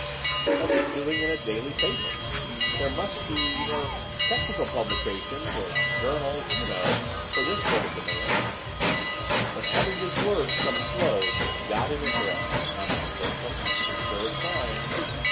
"What's it doing in a daily paper? There must be—er—technical publications—er—journals, you know, for this sort of demand." "When Average's words come slow, you've got him interested," commented Bertram. "Sure sign."